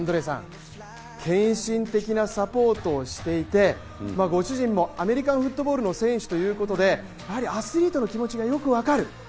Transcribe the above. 献身的なサポートをしていてご主人もアメリカンフットボールの選手ということでやはりアスリートの気持ちがよく分かる。